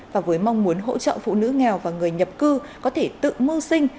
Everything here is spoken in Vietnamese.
và với mong muốn hỗ trợ phụ nữ nghèo và người nhập cư có thể tự mưu sinh